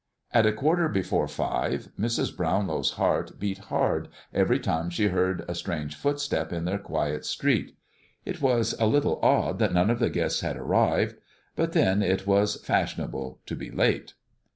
At a quarter before five Mrs. Brownlow's heart beat hard every time she heard a strange footstep in their quiet street. It was a little odd that none of the guests had arrived; but then, it was fashionable to be late!